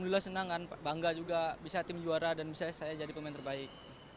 dula senangan bangga juga bisa tim juara dan saya jadi pemain terbaik